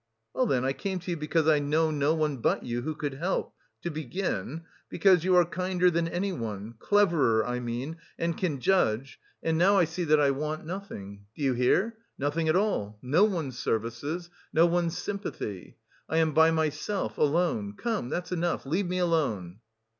"Well, then, I came to you because I know no one but you who could help... to begin... because you are kinder than anyone cleverer, I mean, and can judge... and now I see that I want nothing. Do you hear? Nothing at all... no one's services... no one's sympathy. I am by myself... alone. Come, that's enough. Leave me alone."